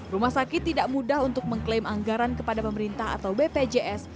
rumah sakit tidak mudah untuk mengklaim anggaran kepada pemerintah atau bpjs